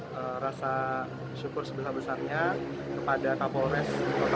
saya rasa syukur sebesar besarnya kepada kapal orangnya